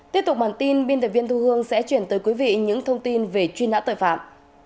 tiếp tục bản tin biên tập viên thu hương sẽ chuyển tới quý vị những thông tin về truy nã tội phạm